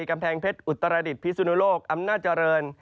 กำแพงเพชรอุตรดิษฐพิสุนโลกอำนาจเจริญ